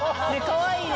かわいい！